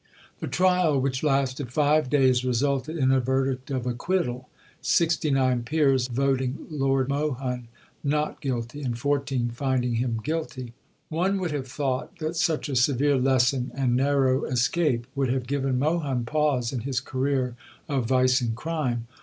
The trial, which lasted five days, resulted in a verdict of acquittal sixty nine peers voting Lord Mohun "Not Guilty," and fourteen finding him "Guilty." One would have thought that such a severe lesson and narrow escape would have given Mohun pause in his career of vice and crime.